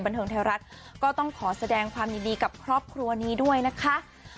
บันเทิงไทยรัฐก็ต้องขอแสดงความยินดีกับครอบครัวนี้ด้วยนะคะ